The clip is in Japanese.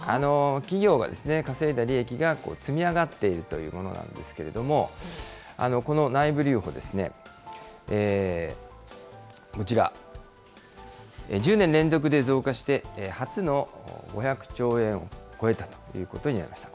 企業が稼いだ利益が積み上がっているというものなんですけれども、この内部留保ですね、こちら、１０年連続で増加して、初の５００兆円を超えたということになりました。